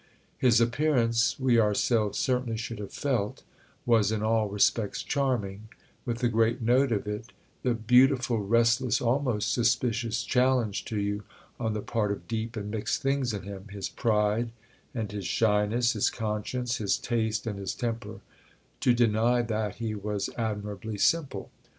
His appearance, we ourselves certainly should have felt, was in all respects charming—with the great note of it the beautiful restless, almost suspicious, challenge to you, on the part of deep and mixed things in him, his pride and his shyness, his conscience, his taste and his temper, to deny that he was admirably simple.